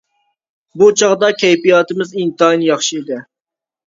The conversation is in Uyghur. بۇ چاغدا كەيپىياتىمىز ئىنتايىن ياخشى ئىدى.